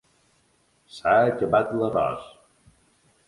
S'ha acabat l'arròs.